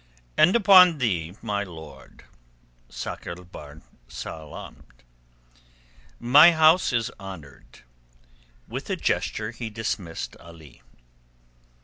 "And upon thee, my lord." Sakr el Bahr salaamed. "My house is honoured." With a gesture he dismissed Ali.